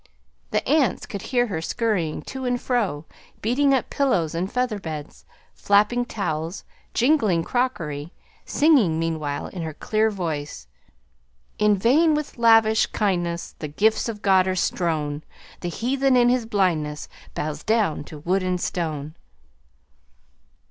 The aunts could hear her scurrying to and fro, beating up pillows and feather beds, flapping towels, jingling crockery, singing meanwhile in her clear voice: "In vain with lavish kindness The gifts of God are strown; The heathen in his blindness Bows down to wood and stone."